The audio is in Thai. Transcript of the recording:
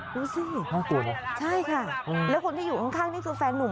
ดูซิแล้วคนที่อยู่ข้างนี่คือแฟนหนุ่ม